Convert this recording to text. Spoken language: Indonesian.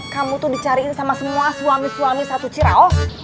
kamu tuh dicariin sama semua suami suami satu si raus